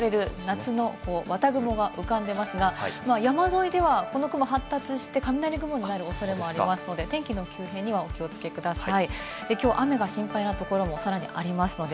そうですね、ポコポコと積雲と呼ばれる、夏のわた雲が浮かんでますが山沿いでは、この雲、発達して雷雲になる恐れもありますので天気の急変にはお気をつけください。